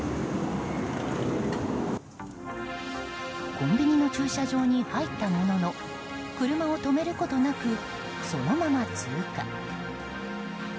コンビニの駐車場に入ったものの車を止めることなくそのまま通過。